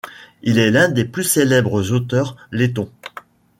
Il est l'un des plus célèbres auteurs lettons.